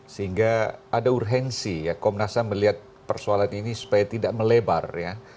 sehingga ada urgensi ya komnas ham melihat persoalan ini supaya tidak melebar ya